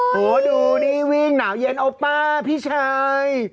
โหดูนี่วิ่งหนาวเย็นเอาป้าพี่ชาย